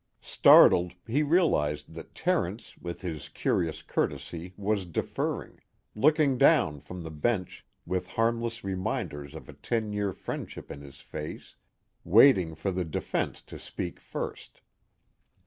Startled, he realized that Terence with his curious courtesy was deferring, looking down from the bench with harmless reminders of a ten year friendship in his face, waiting for the defense to speak first.